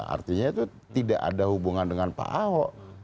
artinya itu tidak ada hubungan dengan pak ahok